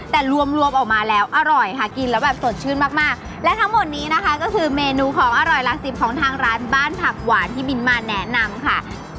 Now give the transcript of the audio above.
แต่รวมรวมออกมาแล้วอร่อยค่ะกินแล้วแบบสดชื่นมากมากและทั้งหมดนี้นะคะก็คือเมนูของอร่อยหลักสิบของทางร้านบ้านผักหวานที่บินมาแนะนำค่ะ